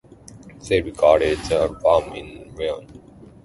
They recorded the album in Lyon.